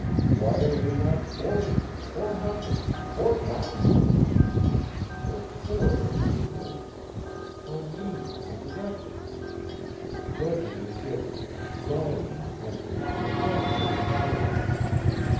Why are they not forty, four hundred, four thousand! How poor everything is, how mean and wretched! grudgingly given, dryly invented, clumsily made!